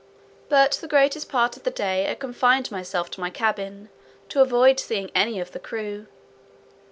But the greatest part of the day I confined myself to my cabin, to avoid seeing any of the crew.